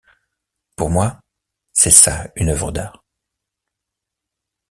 Pour moi, c'est ça une œuvre d'art.